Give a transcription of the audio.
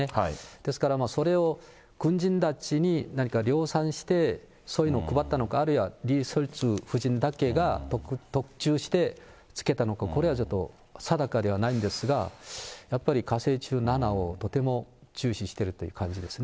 ですからそれを軍人たちに何か量産して、そういうの配ったのか、あるいはリ・ソルジュ夫人だけが特注してつけたのか、これはちょっと定かではないんですが、やっぱり火星１７をとても重視しているという感じですね。